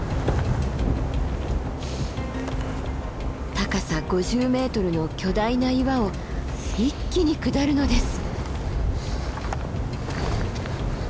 高さ５０ｍの巨大な岩を一気に下るのです。